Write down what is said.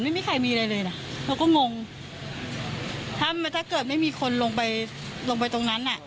ไม่มีใครมีอะไรเลยนะเราก็งงถ้าถ้าเกิดไม่มีคนลงไปลงไปตรงนั้นน่ะ